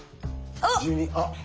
あっ。